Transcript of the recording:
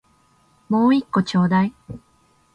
もう一個ちょうだい